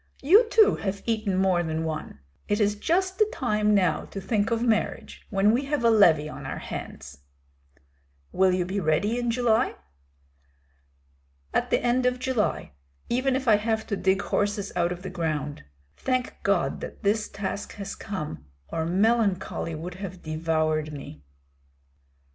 You too have eaten more than one. It is just the time now to think of marriage when we have a levy on our hands!" "Will you be ready in July?" "At the end of July, even if I have to dig horses out of the ground. Thank God that this task has come, or melancholy would have devoured me."